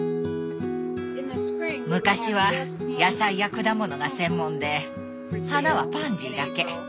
昔は野菜や果物が専門で花はパンジーだけ。